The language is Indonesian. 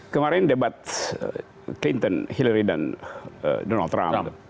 kemarin debat clinton hillary dan donald trump